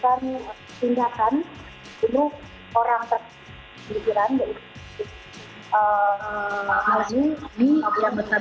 ketika di kawasan tiongkok sebetulnya mengajut presiden donald trump